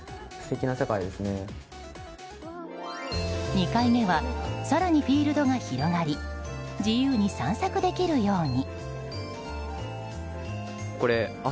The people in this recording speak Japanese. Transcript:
２回目は更にフィールドが広がり自由に散策できるように。